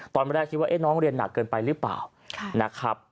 ตอนแรกคิดว่าน้องเรียนหนักเกินไปหรือเปล่านะครับ